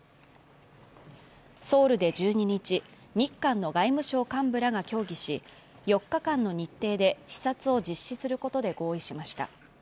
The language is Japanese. ソウルで１２日、日韓の外務省幹部らが協議し、４日間の日程で視察を実施することで合意しました。